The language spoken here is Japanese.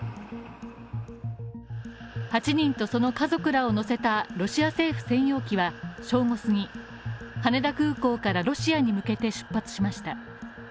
８人とその家族らを乗せたロシア政府専用機は正午過ぎ羽田空港からロシアに向けて出発しました。